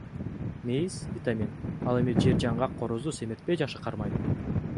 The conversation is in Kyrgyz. Мейиз — витамин, ал эми жер жаңгак корозду семиртпей жакшы кармайт.